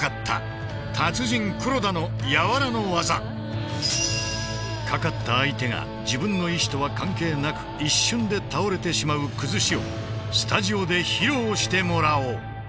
ＭＣかかった相手が自分の意志とは関係なく一瞬で倒れてしまう「崩し」をスタジオで披露してもらおう。